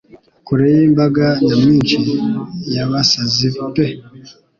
Kure yimbaga nyamwinshi yabasazi pe